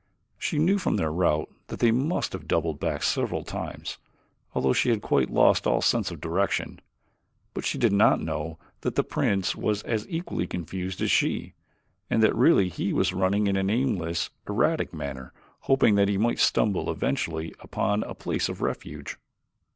She knew from their route that they must have doubled back several times although she had quite lost all sense of direction; but she did not know that the prince was as equally confused as she, and that really he was running in an aimless, erratic manner, hoping that he might stumble eventually upon a place of refuge.